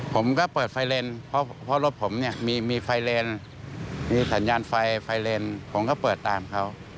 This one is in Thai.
ผมก็เปิดไฟเลนเพราะรถผมเนี่ยมีไฟเลนมีสัญญาณไฟไฟเลนผมก็เปิดตามเขา